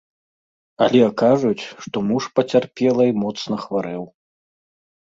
Але кажуць, што муж пацярпелай моцна хварэў.